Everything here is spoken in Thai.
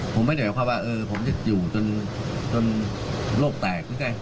ผมไม่ได้เห็นความว่าเออผมจะอยู่จนโลกแตก